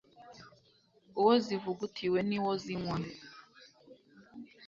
uwo zivugutiwe ni wo zinywa